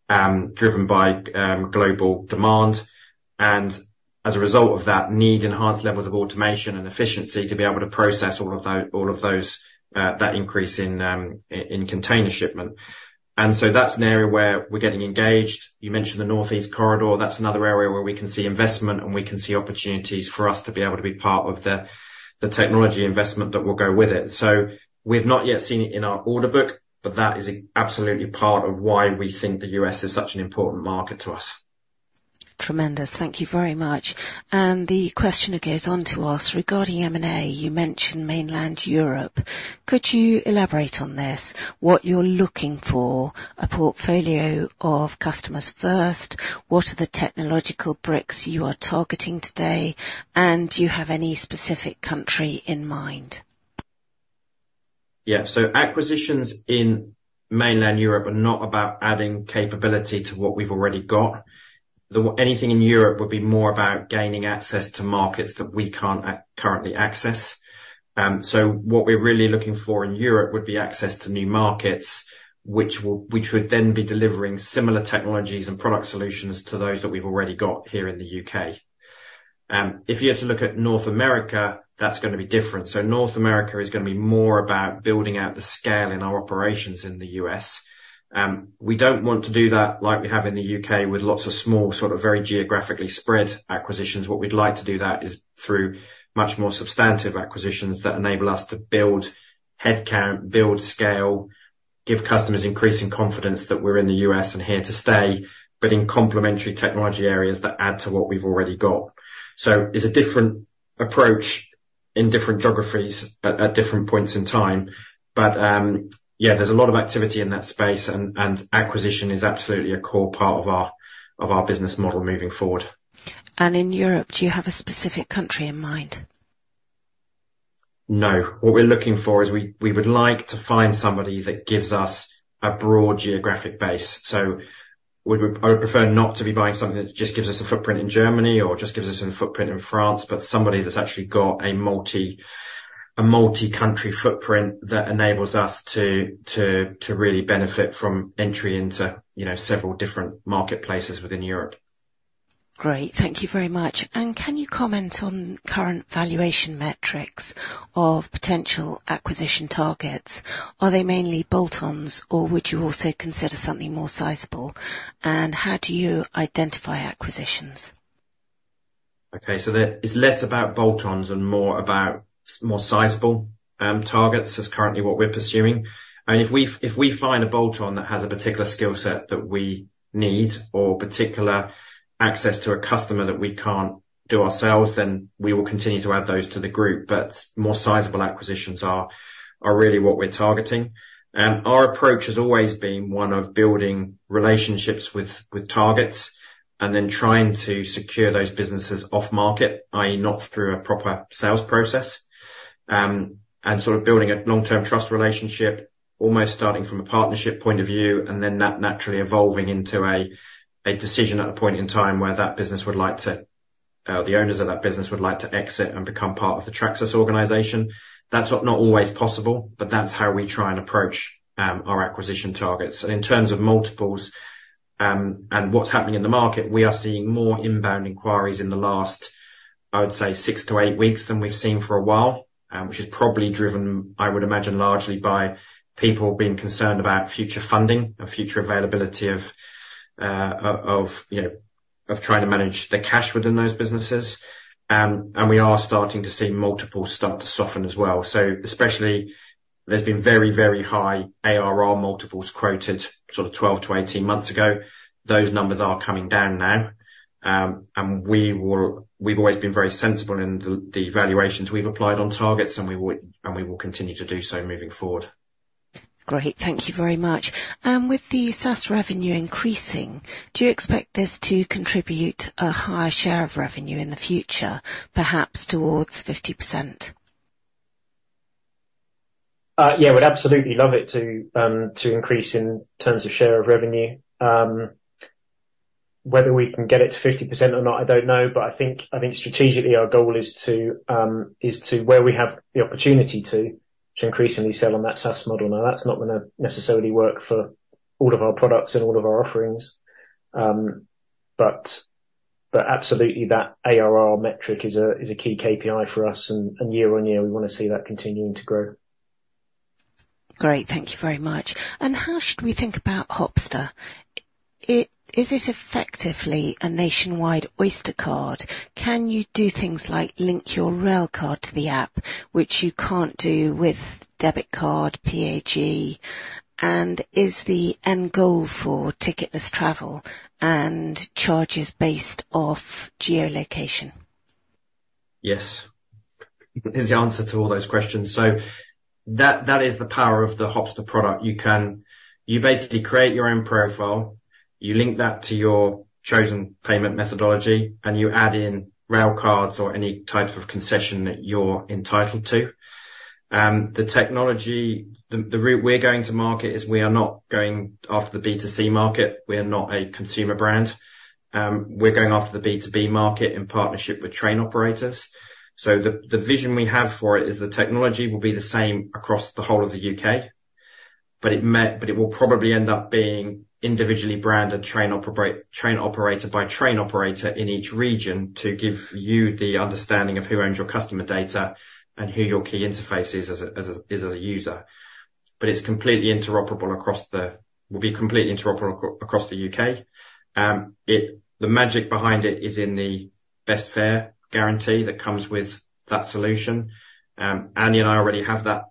driven by global demand, and as a result of that, need enhanced levels of automation and efficiency to be able to process all of those that increase in container shipment. And so that's an area where we're getting engaged. You mentioned the Northeast Corridor, that's another area where we can see investment, and we can see opportunities for us to be able to be part of the technology investment that will go with it. So we've not yet seen it in our order book, but that is absolutely part of why we think the U.S. is such an important market to us. Tremendous. Thank you very much. The questioner goes on to ask: Regarding M&A, you mentioned mainland Europe, could you elaborate on this, what you're looking for, a portfolio of customers first? What are the technological bricks you are targeting today? And do you have any specific country in mind? Yeah, so acquisitions in mainland Europe are not about adding capability to what we've already got. Anything in Europe would be more about gaining access to markets that we can't currently access. So what we're really looking for in Europe would be access to new markets, which would then be delivering similar technologies and product solutions to those that we've already got here in the U.K. If you had to look at North America, that's gonna be different. So North America is gonna be more about building out the scale in our operations in the U.S. We don't want to do that like we have in the U.K., with lots of small, sort of, very geographically spread acquisitions. What we'd like to do that, is through much more substantive acquisitions, that enable us to build headcount, build scale, give customers increasing confidence that we're in the US and here to stay, but in complementary technology areas that add to what we've already got. So it's a different approach, in different geographies, at different points in time. But, yeah, there's a lot of activity in that space, and acquisition is absolutely a core part of our business model moving forward. In Europe, do you have a specific country in mind? No. What we're looking for is we would like to find somebody that gives us a broad geographic base. So I would prefer not to be buying something that just gives us a footprint in Germany, or just gives us a footprint in France, but somebody that's actually got a multi-country footprint, that enables us to really benefit from entry into, you know, several different marketplaces within Europe. Great. Thank you very much. Can you comment on current valuation metrics of potential acquisition targets? Are they mainly bolt-ons, or would you also consider something more sizable? How do you identify acquisitions? Okay, so it's less about bolt-ons and more about more sizable targets, is currently what we're pursuing. And if we find a bolt-on that has a particular skill set that we need, or particular access to a customer that we can't do ourselves, then we will continue to add those to the group. But more sizable acquisitions are really what we're targeting. Our approach has always been one of building relationships with targets, and then trying to secure those businesses off market, i.e., not through a proper sales process. And sort of building a long-term trust relationship, almost starting from a partnership point of view, and then that naturally evolving into a decision at a point in time, where that business would like to... The owners of that business would like to exit and become part of the Tracsis organization. That's not always possible, but that's how we try and approach our acquisition targets. And in terms of multiples, and what's happening in the market, we are seeing more inbound inquiries in the last, I would say, 6-8 weeks, than we've seen for a while. Which is probably driven, I would imagine, largely by people being concerned about future funding and future availability of, you know, of trying to manage the cash within those businesses. And we are starting to see multiples start to soften as well. So especially, there's been very, very high ARR multiples quoted, sort of 12-18 months ago. Those numbers are coming down now. And we will. We've always been very sensible in the, the valuations we've applied on targets, and we will, and we will continue to do so moving forward. Great. Thank you very much. With the SaaS revenue increasing, do you expect this to contribute a higher share of revenue in the future, perhaps towards 50%? Yeah, we'd absolutely love it to increase in terms of share of revenue. Whether we can get it to 50% or not, I don't know, but I think strategically, our goal is to increasingly sell on that SaaS model where we have the opportunity to. Now, that's not gonna necessarily work for all of our products and all of our offerings, but absolutely, that ARR metric is a key KPI for us, and year on year, we wanna see that continuing to grow. Great. Thank you very much. And how should we think about Hopsta? Is it effectively a nationwide Oyster card? Can you do things like link your Railcard to the app, which you can't do with debit card, PAYG? And is the end goal for ticketless travel and charges based off geolocation? Yes. Is the answer to all those questions. So that is the power of the Hopsta product. You can. You basically create your own profile, you link that to your chosen payment methodology, and you add in Railcards or any type of concession that you're entitled to. The technology, the route we're going to market, is we are not going after the B2C market. We are not a consumer brand. We're going after the B2B market, in partnership with train operators. The vision we have for it is the technology will be the same across the whole of the U.K., but it will probably end up being individually branded train operator by train operator in each region, to give you the understanding of who owns your customer data and who your key interface is as a user. But it's completely interoperable across the U.K. The magic behind it is in the best fare guarantee that comes with that solution. Andy and I already have that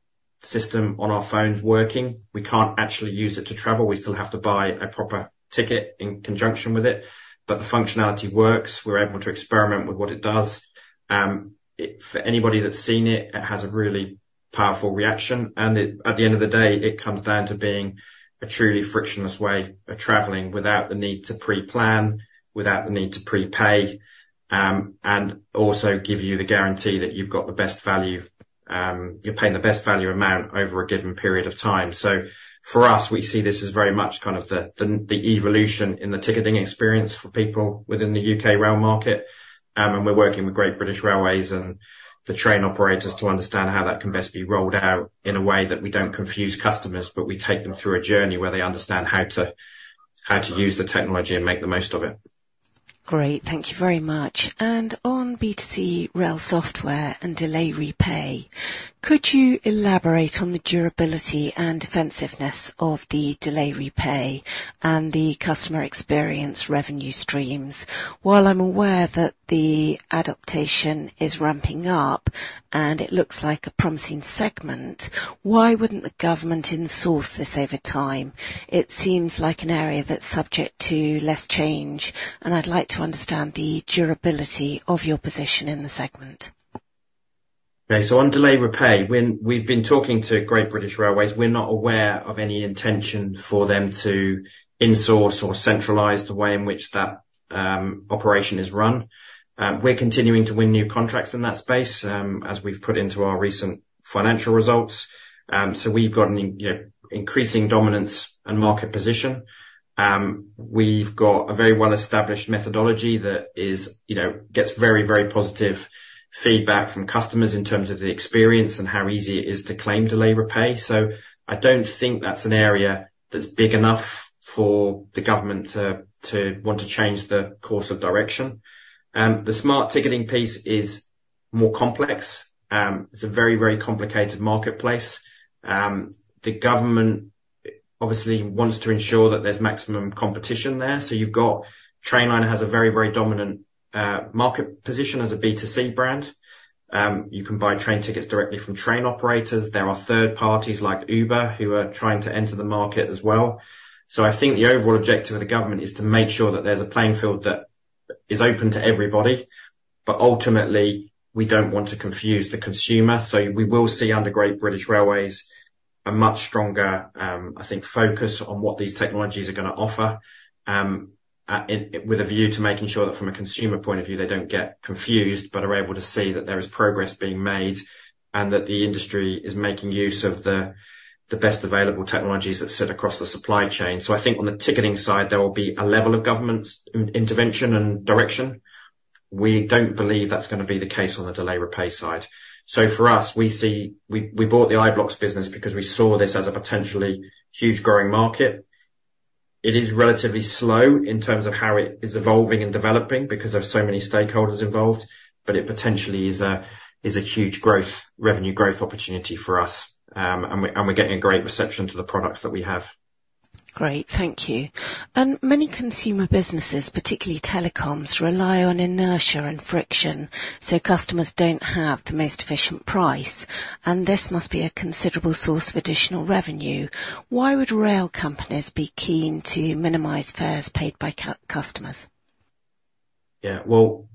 system on our phones working. We can't actually use it to travel. We still have to buy a proper ticket in conjunction with it, but the functionality works. We're able to experiment with what it does. For anybody that's seen it, it has a really powerful reaction, and it, at the end of the day, it comes down to being a truly frictionless way of traveling, without the need to pre-plan, without the need to pre-pay, and also give you the guarantee that you've got the best value. You're paying the best value amount over a given period of time. So for us, we see this as very much kind of the evolution in the ticketing experience for people within the U.K. rail market. And we're working with Great British Railways and the train operators to understand how that can best be rolled out, in a way that we don't confuse customers, but we take them through a journey where they understand how to use the technology and make the most of it. Great. Thank you very much. On B2C rail software and Delay Repay, could you elaborate on the durability and defensiveness of the Delay Repay and the customer experience revenue streams? While I'm aware that the adaptation is ramping up, and it looks like a promising segment, why wouldn't the government insource this over time? It seems like an area that's subject to less change, and I'd like to understand the durability of your position in the segment. Okay, so on Delay Repay, when we've been talking to Great British Railways, we're not aware of any intention for them to insource or centralize the way in which that operation is run. We're continuing to win new contracts in that space, as we've put into our recent financial results. So we've got an increasing dominance and market position. We've got a very well-established methodology that is, you know, gets very, very positive feedback from customers, in terms of the experience and how easy it is to claim Delay Repay. So I don't think that's an area that's big enough for the government to want to change the course of direction. The smart ticketing piece is more complex. It's a very, very complicated marketplace. The government obviously wants to ensure that there's maximum competition there. So you've got, Trainline has a very, very dominant market position as a B2C brand. You can buy train tickets directly from train operators. There are third parties, like Uber, who are trying to enter the market as well. So I think the overall objective of the government is to make sure that there's a playing field that is open to everybody, but ultimately, we don't want to confuse the consumer. So we will see, under Great British Railways, a much stronger, I think, focus on what these technologies are gonna offer. With a view to making sure that from a consumer point of view, they don't get confused, but are able to see that there is progress being made, and that the industry is making use of the, the best available technologies that sit across the supply chain. So I think on the ticketing side, there will be a level of government intervention and direction. We don't believe that's gonna be the case on the Delay Repay side. So for us, we see... We bought the iBlocks business because we saw this as a potentially huge growing market. It is relatively slow, in terms of how it is evolving and developing, because there are so many stakeholders involved, but it potentially is a huge growth, revenue growth opportunity for us. And we're getting a great reception to the products that we have. Great. Thank you. Many consumer businesses, particularly telecoms, rely on inertia and friction, so customers don't have the most efficient price, and this must be a considerable source of additional revenue. Why would rail companies be keen to minimize fares paid by customers? Yeah. Well,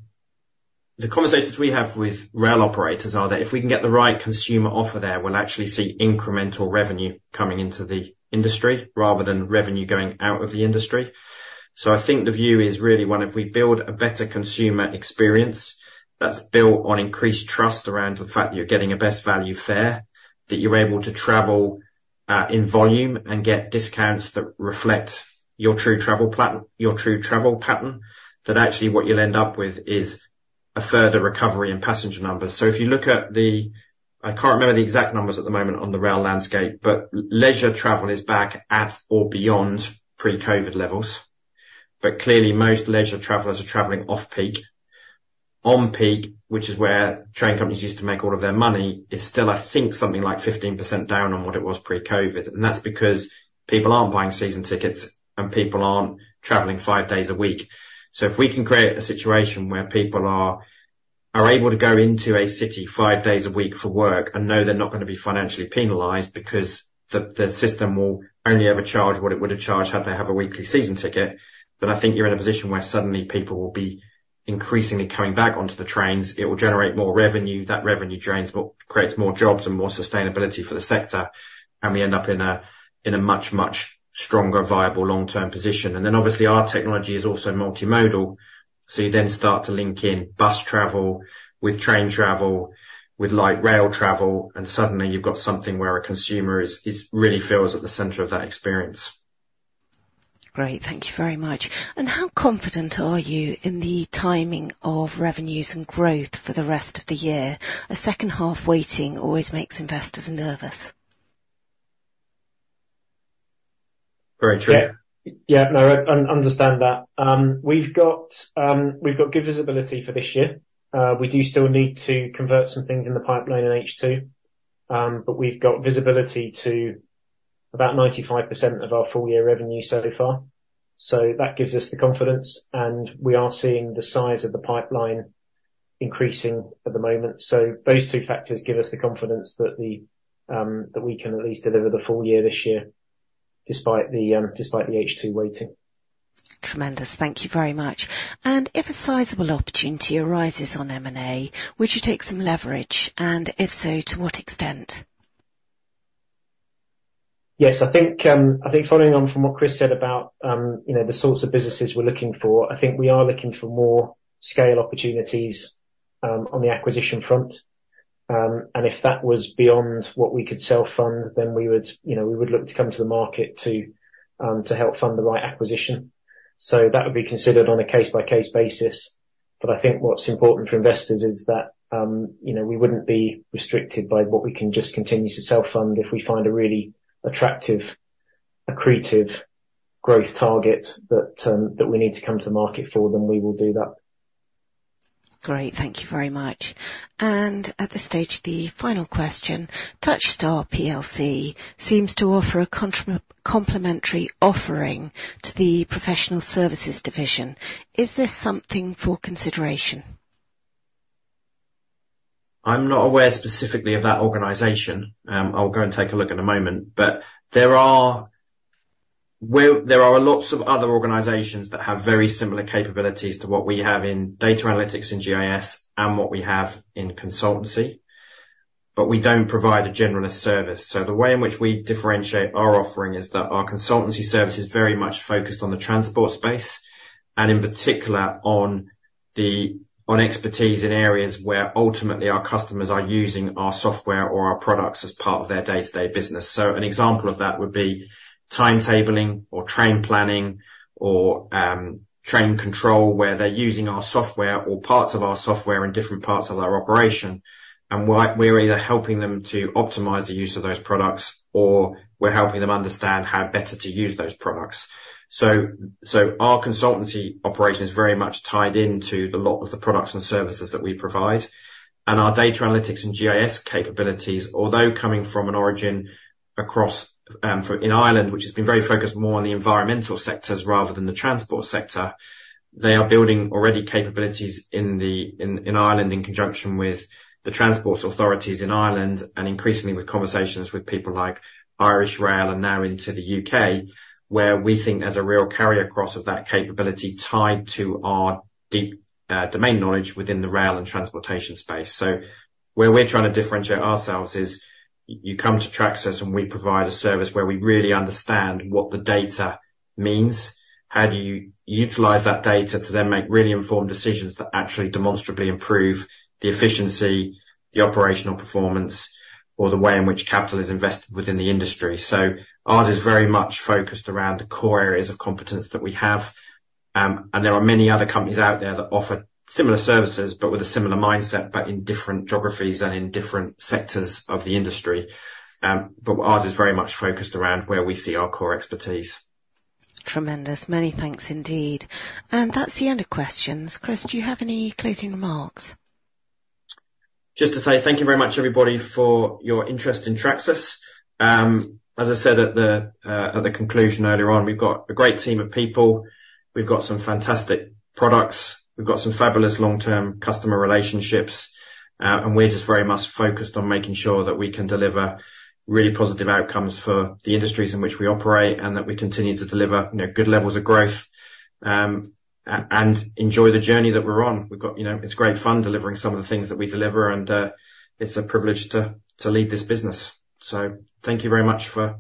the conversations we have with rail operators are that, if we can get the right consumer offer there, we'll actually see incremental revenue coming into the industry, rather than revenue going out of the industry. So I think the view is really one, if we build a better consumer experience, that's built on increased trust around the fact that you're getting a best value fare, that you're able to travel in volume and get discounts that reflect your true travel pattern, that actually what you'll end up with, is a further recovery in passenger numbers. So if you look at the I can't remember the exact numbers at the moment on the rail landscape, but leisure travel is back at, or beyond, pre-COVID levels. But clearly, most leisure travelers are traveling off-peak. On-peak, which is where train companies used to make all of their money, is still, I think, something like 15% down on what it was pre-COVID. And that's because people aren't buying season tickets, and people aren't traveling five days a week. So if we can create a situation where people are, are able to go into a city five days a week for work, and know they're not gonna be financially penalized, because the, the system will only ever charge what it would've charged, had they have a weekly season ticket, then I think you're in a position where suddenly people will be increasingly coming back onto the trains. It will generate more revenue. That revenue generates more-- creates more jobs and more sustainability for the sector, and we end up in a, in a much, much stronger, viable long-term position. And then, obviously, our technology is also multimodal. So you then start to link in bus travel with train travel, with light rail travel, and suddenly you've got something where a consumer really feels at the center of that experience.... Great, thank you very much. And how confident are you in the timing of revenues and growth for the rest of the year? A second half weighting always makes investors nervous. Great, sure. Yeah. Yeah, no, I understand that. We've got good visibility for this year. We do still need to convert some things in the pipeline in H2, but we've got visibility to about 95% of our full year revenue so far. So that gives us the confidence, and we are seeing the size of the pipeline increasing at the moment. So those two factors give us the confidence that we can at least deliver the full year this year, despite the H2 weighting. Tremendous. Thank you very much. And if a sizable opportunity arises on M&A, would you take some leverage? And if so, to what extent? Yes, I think, I think following on from what Chris said about, you know, the sorts of businesses we're looking for, I think we are looking for more scale opportunities, on the acquisition front. And if that was beyond what we could self-fund from, then we would, you know, we would look to come to the market to, to help fund the right acquisition. So that would be considered on a case-by-case basis. But I think what's important for investors is that, you know, we wouldn't be restricted by what we can just continue to self-fund. If we find a really attractive, accretive growth target that, that we need to come to the market for, then we will do that. Great. Thank you very much. At this stage, the final question: Touchstar PLC seems to offer a complementary offering to the professional services division. Is this something for consideration? I'm not aware specifically of that organization. I'll go and take a look in a moment. But there are lots of other organizations that have very similar capabilities to what we have in data analytics and GIS, and what we have in consultancy, but we don't provide a generalist service. So the way in which we differentiate our offering is that our consultancy service is very much focused on the transport space, and in particular on expertise in areas where ultimately our customers are using our software or our products as part of their day-to-day business. An example of that would be timetabling or train planning or train control, where they're using our software or parts of our software in different parts of their operation, and we're either helping them to optimize the use of those products, or we're helping them understand how better to use those products. So our consultancy operation is very much tied into a lot of the products and services that we provide. And our data analytics and GIS capabilities, although coming from an origin across, for, in Ireland, which has been very focused more on the environmental sectors rather than the transport sector, they are building already capabilities in the Ireland, in conjunction with the transport authorities in Ireland, and increasingly with conversations with people like Irish Rail and now into the U.K., where we think there's a real carry across of that capability tied to our deep, domain knowledge within the rail and transportation space. So where we're trying to differentiate ourselves is, you come to Tracsis, and we provide a service where we really understand what the data means. How do you utilize that data to then make really informed decisions that actually demonstrably improve the efficiency, the operational performance, or the way in which capital is invested within the industry? So ours is very much focused around the core areas of competence that we have, and there are many other companies out there that offer similar services, but with a similar mindset, but in different geographies and in different sectors of the industry. But ours is very much focused around where we see our core expertise. Tremendous. Many thanks indeed. That's the end of questions. Chris, do you have any closing remarks? Just to say thank you very much, everybody, for your interest in Tracsis. As I said, at the conclusion earlier on, we've got a great team of people. We've got some fantastic products. We've got some fabulous long-term customer relationships, and we're just very much focused on making sure that we can deliver really positive outcomes for the industries in which we operate, and that we continue to deliver, you know, good levels of growth, and enjoy the journey that we're on. We've got—you know, it's great fun delivering some of the things that we deliver, and it's a privilege to lead this business. So thank you very much for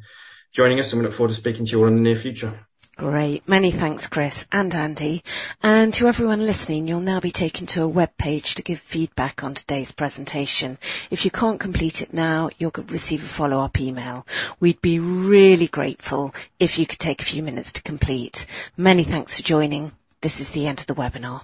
joining us, and we look forward to speaking to you all in the near future. Great. Many thanks, Chris and Andy. And to everyone listening, you'll now be taken to a webpage to give feedback on today's presentation. If you can't complete it now, you'll receive a follow-up email. We'd be really grateful if you could take a few minutes to complete. Many thanks for joining. This is the end of the webinar.